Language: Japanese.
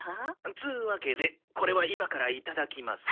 っつうわけでこれは今からいただきます。